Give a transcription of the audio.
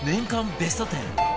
ベスト１０